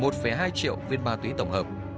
một hai triệu viên ma túy tổng hợp